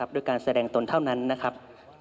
ด้วยการแสดงตนเท่านั้นนะครับ